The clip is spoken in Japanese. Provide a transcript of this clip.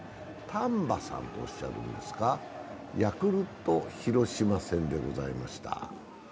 丹波さんとおっしゃるんですが、ヤクルト×広島戦でございました。